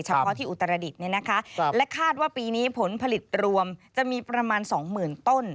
เฉพาะที่อุตรดิษฐ์เนี่ยนะคะครับและคาดว่าปีนี้ผลผลิตรวมจะมีประมาณสองหมื่นต้น